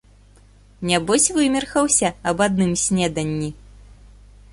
Нябось вымерхаўся аб адным снеданні.